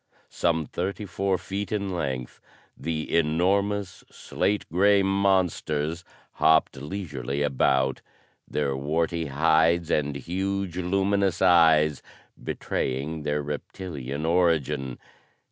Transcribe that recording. Some thirty four feet in length, the enormous, slate grey monsters hopped leisurely about, their warty hides and huge luminous eyes betraying their reptilian origin.